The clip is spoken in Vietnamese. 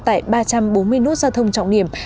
tại ba trăm bốn mươi nút giao thông trọng điểm